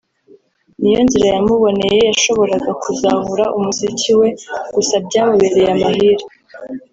ni yo nzira yamuboneye yashoboraga kuzahura umuziki we gusa byamubereye amahire